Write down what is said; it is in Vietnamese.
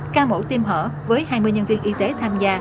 ca mẫu tiêm hở với hai mươi nhân viên y tế tham gia